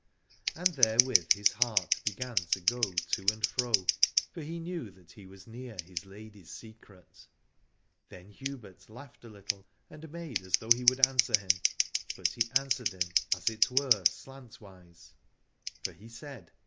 And therewith his heart began to go to and fro, for he knew that he was near his lady's secret. Then Hubert laughed a little and made as though he would answer him : but he answered him as it were slant wise, for he said.